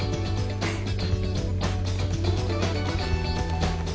フフッ。